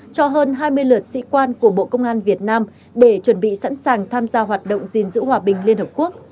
cho hơn hai mươi lượt sĩ quan của bộ công an việt nam để chuẩn bị sẵn sàng tham gia hoạt động gìn giữ hòa bình liên hợp quốc